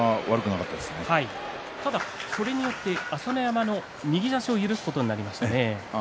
ただそれによって朝乃山の右差しを許すことになりましたね。